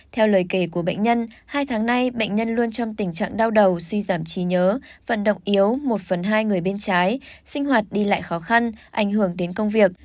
theo lời kể của bệnh nhân hai tháng nay bệnh nhân luôn trong tình trạng đau đầu suy giảm trí nhớ vận động yếu một phần hai người bên trái sinh hoạt đi lại khó khăn ảnh hưởng đến công việc